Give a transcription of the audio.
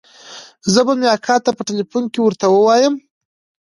زه به مې اکا ته په ټېلفون کښې ورته ووايم.